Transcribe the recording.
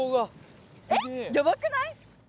えっやばくない？